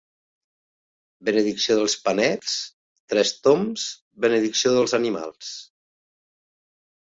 Benedicció dels panets, tres tombs, benedicció dels animals.